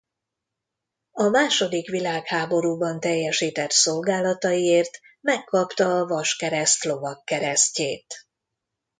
A második világháborúban teljesített szolgálataiért megkapta a Vaskereszt Lovagkeresztjét.